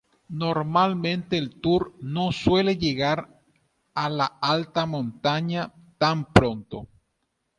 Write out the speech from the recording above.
Normalmente el Tour no suele llegar a la alta montaña tan pronto.